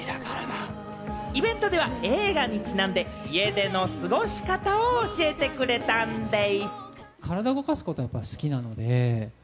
イベントでは映画にちなんで、家での過ごし方を教えてくれたんでぃす。